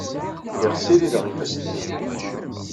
Lliɣ ssirideɣ ifassen-inu.